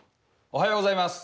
おはようございます。